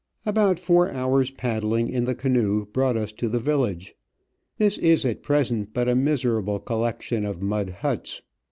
About four hours paddling in the canoe brought us to the village. This is at present but a miserable collection of mud huts.